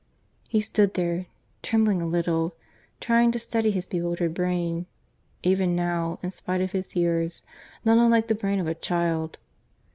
He stood there, trembling a little, trying to steady his bewildered brain even now, in spite of his years, not unlike the brain of a child.